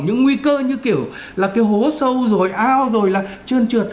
những nguy cơ như kiểu là cái hố sâu rồi ao rồi là trơn trượt